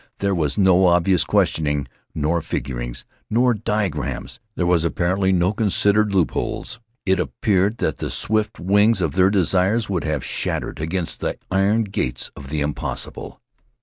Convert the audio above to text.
There was no obvious questioning, nor figurings, nor diagrams. There was, apparently, no considered loopholes. It appeared that the swift wings of their desires would have shattered against the iron gates of the impossible.